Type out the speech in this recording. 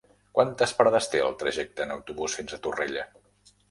Quantes parades té el trajecte en autobús fins a Torrella?